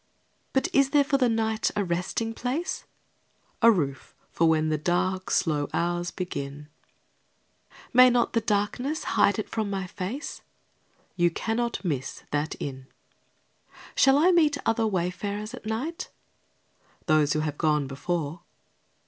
But is there for the night a resting place? A roof for when the slow dark hours begin. May not the darkness hide it from my face? You cannot miss that inn. Shall I meet other wayfarers at night? Those who have gone before.